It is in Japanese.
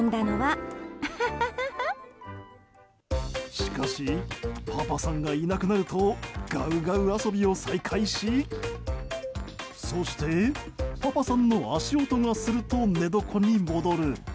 しかしパパさんがいなくなるとガウガウ遊びを再開しそして、パパさんの足音がすると寝床に戻る。